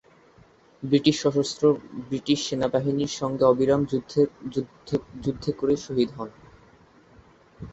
British সশস্ত্র British সেনাবাহিনীর সঙ্গে অবিরাম যুদ্ধে করে শহীদ হন।